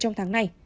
trong tháng này